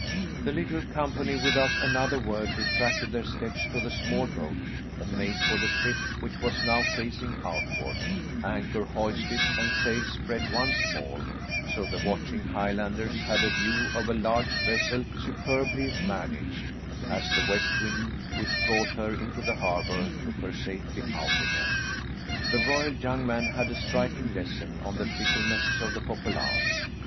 The little company without another word retraced their steps to the small boat, and made for the ship which was now facing outward, anchor hoisted and sails spread once more, so the watching Highlanders had a view of a large vessel superbly managed, as the west wind which brought her into the harbour took her safely out again. The royal young man had a striking lesson on the fickleness of the populace.